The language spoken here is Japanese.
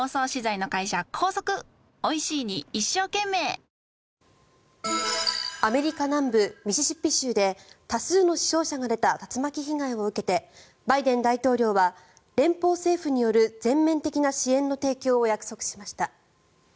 東京海上日動アメリカ南部ミシシッピ州で多数の死傷者が出た竜巻被害を受けてバイデン大統領は連邦政府による全面的な支援の提供を約束しました。